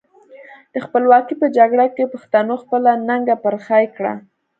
د خپلواکۍ په جګړه کې پښتنو خپله ننګه پر خای کړه.